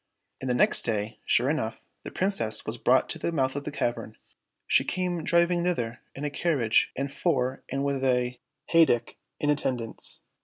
And the next day, sure enough, the Princess was brought to the mouth of the cavern. She came driv ing thither in a carriage and four and with a heyduck^ in attendance.